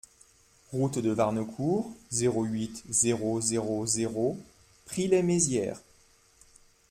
Route de Warnecourt, zéro huit, zéro zéro zéro Prix-lès-Mézières